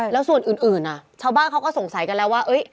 แล้วส่วนอื่นชาวบ้านเขาก็สงสัยกันแล้วว่า